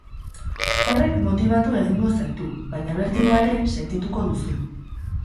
Horrek motibatu egingo zaitu, baina bertigoa ere, sentituko duzu.